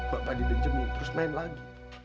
bapak didenjemuk terus main lagi